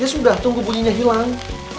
ya sudah tunggu bunyinya hilang